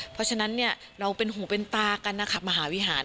เพราะฉะนั้นเนี่ยเราเป็นหูเป็นตากันนะคะมหาวิหาร